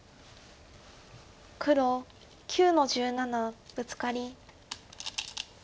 黒９の十七ブツカリ。